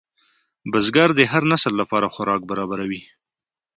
بزګر د هر نسل لپاره خوراک برابروي